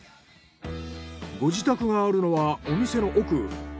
ご自宅があるのはお店の奥。